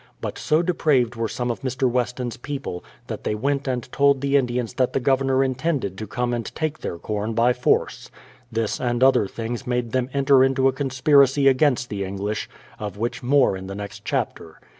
But so depraved were some of Mr. Weston's people, that they went and told the Indians that the Governor in tended to come and take their corn by force. This and other things made them enter into a conspiracy against the English, of which more in the next chapter.